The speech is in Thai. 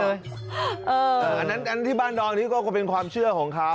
อันนั้นที่บ้านดองนี้ก็เป็นความเชื่อของเขา